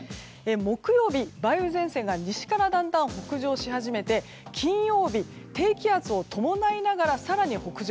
木曜日、梅雨前線が西からだんだん北上し始めて金曜日、低気圧を伴いながら更に北上。